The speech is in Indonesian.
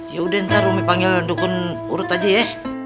yaudah ntar umi panggil dukun urut aja ye